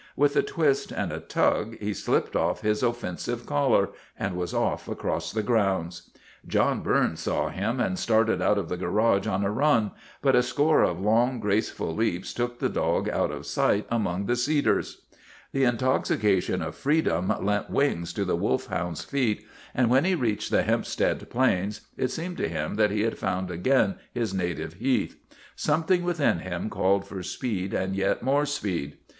With a twist and a tug he slipped off his offensive collar, and was off across the grounds. John Burns saw him and started out of the garage on a run, but a score of long, graceful leaps took the dog out of sight among the cedars. THE BLOOD OF HIS FATHERS 177 The intoxication of freedom lent wings to the wolfhound's feet, and when he reached the Hemp stead Plains it seemed to him that he had found again his native heath. Something within him called for speed and yet more speed.